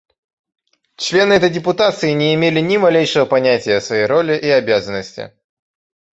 Члены этой депутации не имели ни малейшего понятия о своей роли и обязанности.